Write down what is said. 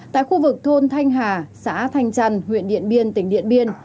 tại khu vực thôn thanh hà xã thanh trăn huyện điện biên tỉnh điện biên